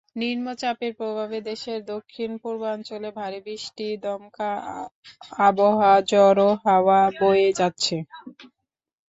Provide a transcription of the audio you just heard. নিম্নচাপের প্রভাবে দেশের দক্ষিণ-পূর্বাঞ্চলে ভারী বৃষ্টি, দমকা অথবা ঝোড়ো হাওয়া বয়ে যাচ্ছে।